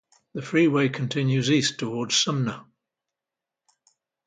The freeway continues east towards Sumner.